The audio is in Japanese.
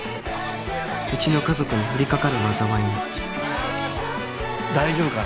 うちの家族にふりかかる災いも大丈夫かな？